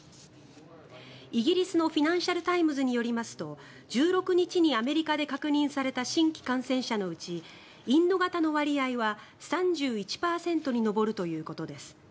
イギリスのフィナンシャル・タイムズによりますと１６日にアメリカで確認された新規感染者のうちインド型の割合は３１％に上るということです。